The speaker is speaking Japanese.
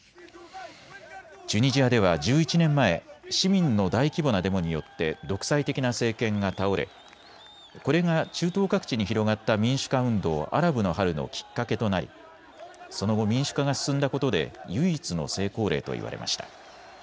チュニジアでは１１年前、市民の大規模なデモによって独裁的な政権が倒れこれが中東各地に広がった民主化運動、アラブの春のきっかけとなりその後、民主化が進んだことで唯一の成功例といわれました。